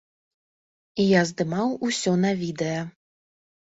Я здымаў усё на відэа.